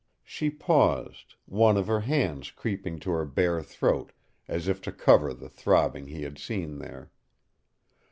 She paused, one of her hands creeping to her bare throat, as if to cover the throbbing he had seen there.